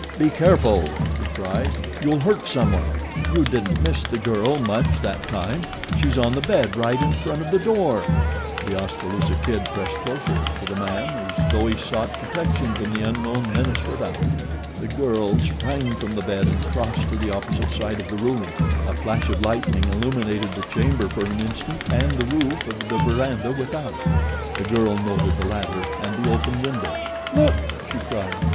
"Be careful!" he cried. "You'll hurt someone. You didn't miss the girl much that time she's on the bed right in front of the door." The Oskaloosa Kid pressed closer to the man as though he sought protection from the unknown menace without. The girl sprang from the bed and crossed to the opposite side of the room. A flash of lightning illuminated the chamber for an instant and the roof of the verandah without. The girl noted the latter and the open window. "Look!" she cried.